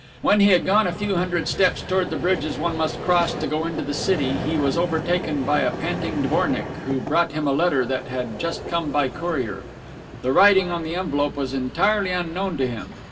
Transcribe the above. When he had gone a few hundred steps toward the bridges one must cross to go into the city, he was overtaken by a panting dvornick, who brought him a letter that had just come by courier. The writing on the envelope was entirely unknown to him.